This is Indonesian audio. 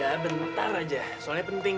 ya bentar aja soalnya penting